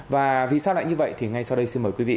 và vì sao lại như vậy thì ngay sau đây xin mời quý vị